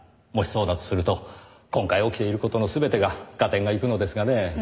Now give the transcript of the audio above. もしそうだとすると今回起きている事の全てが合点がいくのですがねぇ。